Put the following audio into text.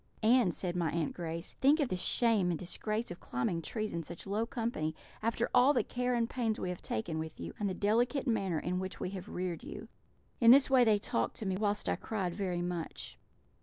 "'And,' said my Aunt Grace, 'think of the shame and disgrace of climbing trees in such low company, after all the care and pains we have taken with you, and the delicate manner in which we have reared you!' "In this way they talked to me, whilst I cried very much.